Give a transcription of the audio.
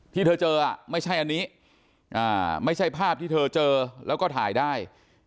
ที่เธอเจอไม่ใช่อันนี้ไม่ใช่ภาพที่เธอเจอแล้วก็ถ่ายได้